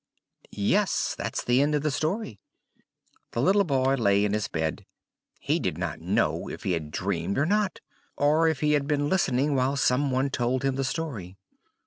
Yes, that's the end of the story! The little boy lay in his bed; he did not know if he had dreamed or not, or if he had been listening while someone told him the story.